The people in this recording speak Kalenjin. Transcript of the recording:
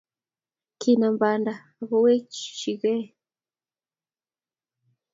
Kinam banda akowechikeu